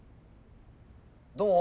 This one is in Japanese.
どう？